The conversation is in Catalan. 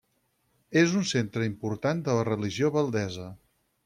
És un centre important de la religió valdesa.